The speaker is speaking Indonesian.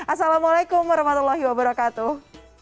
assalamualaikum warahmatullahi wabarakatuh